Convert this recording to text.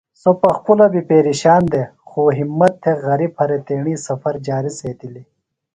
سوۡ پخپُلہ بیۡ پیرشان دےۡ خوۡ ہمت تھےۡ غری پھرےۡ تیݨی سفر جاری سیتِلیۡ۔